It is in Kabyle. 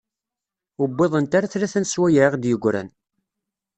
Ur wwiḍent ara tlata n sswayeε i ɣ-d-yegran.